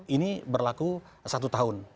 ini berlaku satu tahun